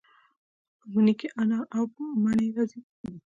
په مني کې انار او مڼې راځي.